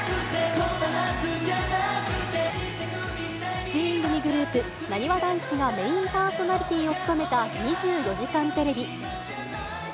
７人組グループ、なにわ男子がメインパーソナリティーを務めた２４時間テレビ。